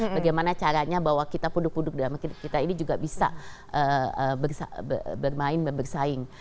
bagaimana caranya bahwa kita produk produk dalam kini juga bisa bermain bersaing